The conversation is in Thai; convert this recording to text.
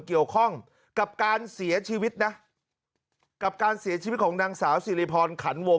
เกี่ยวข้องกับการเสียชีวิตนะกับการเสียชีวิตของนางสาวสิริพรขันวง